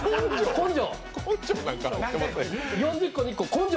根性！